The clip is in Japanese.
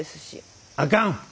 あかん！